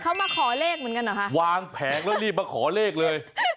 เขามาขอเลขเหมือนกันเหรอคะวางแผงแล้วรีบมาขอเลขเลย